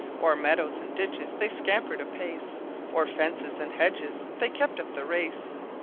O'er meadows and ditches they scampered apace, O'er fences and hedges they kept up the race!